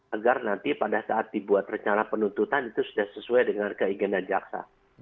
agar nanti pada saat dibuat rencana penuntutan itu sudah sesuai dengan keinginan jaksa